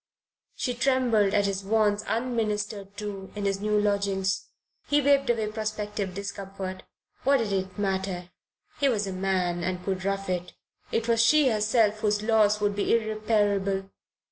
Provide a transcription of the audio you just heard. She trembled at his wants unministered to in his new lodgings. He waved away prospective discomfort: what did it matter? He was a man and could rough it. It was she herself whose loss would be irreparable.